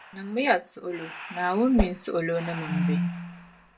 Niŋ miya suɣulo. Naawuni mini suɣulonim’ m-be.